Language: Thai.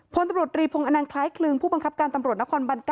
พลตำรวจรีพงศ์อนันต์คล้ายคลึงผู้บังคับการตำรวจนครบัน๙